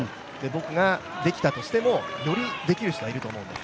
僕ができたとしても、よりできる人はいるんだと思うんです。